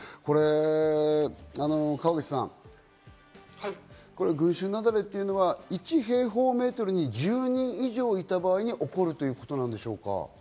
川口さん、群集雪崩というのは１平方メートルに１０人以上いた場合に起こるということなんでしょうか？